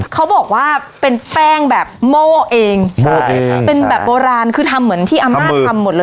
เขาบอกว่าเป็นแป้งแบบโม่เองใช่ฮะเป็นแบบโบราณคือทำเหมือนที่อำนาจทำหมดเลย